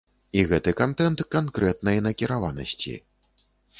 І гэты кантэнт канкрэтнай накіраванасці.